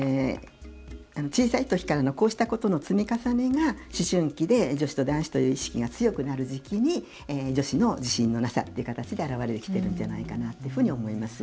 小さいときからのこうしたことの積み重ねが思春期で女子と男子という意識が強くなる時期に女子の自信のなさという形で現れてきているんじゃないかなというふうに思います。